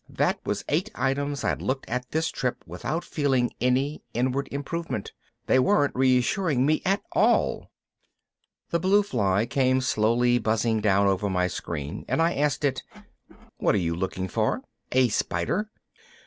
That was eight items I'd looked at this trip without feeling any inward improvement. They weren't reassuring me at all. The blue fly came slowly buzzing down over my screen and I asked it, "What are you looking for? A spider?"